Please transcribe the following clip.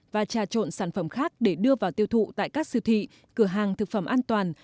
và trà trộn sản phẩm khác để đưa vào tiêu thụ tại các siêu thị cửa hàng thực phẩm an toàn